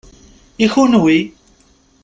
I kunwi?